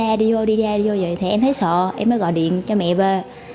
hôm nay đi lên đó anh cứ đi ra đi vô đi ra đi vô vậy em thấy sợ em mới gọi điện cho mẹ về